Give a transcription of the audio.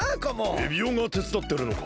エビオがてつだってるのか？